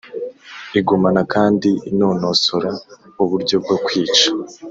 igumana kandi inonosora uburyo bwo kwica